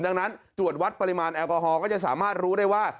ดังนั้นตรวจวัดปริมาณแอลกอฮอลก็จะสามารถรู้ได้ว่า